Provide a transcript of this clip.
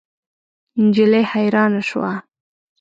نجلۍ حیرانه شوه.